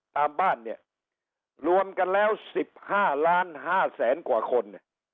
ตามบ้านเนี่ยรวมกันแล้วสิบห้าล้านห้าแสนกว่าคน